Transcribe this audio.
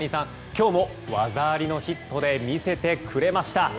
今日も技ありのヒットで見せてくれました。